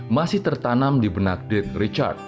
masih tertanam di benak death richard